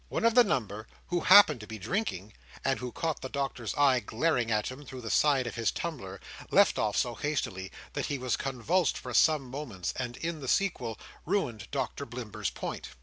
One of the number who happened to be drinking, and who caught the Doctor's eye glaring at him through the side of his tumbler, left off so hastily that he was convulsed for some moments, and in the sequel ruined Doctor Blimber's point.